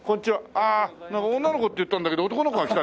ああ女の子って言ったんだけど男の子が来たね。